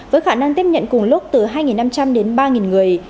với khả năng tiếp nhận cùng lúc từ hai năm trăm linh đến ba người